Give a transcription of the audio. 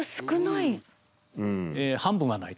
半分はないと。